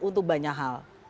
untuk banyak hal